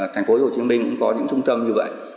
thành phố hồ chí minh cũng có những trung tâm như vậy